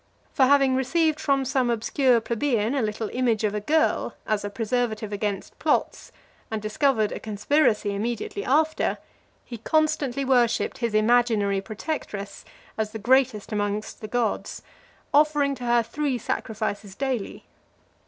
For having received from some obscure plebeian a little image of a girl, as a preservative against plots, and discovering a conspiracy immediately after, he constantly worshipped his imaginary protectress as the greatest amongst the gods, offering to her three sacrifices daily.